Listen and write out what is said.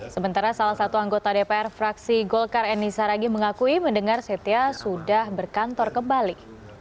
sementara salah satu anggota dpr fraksi golkar enisa ragih mengakui mendengar setia sudah berkantor kembali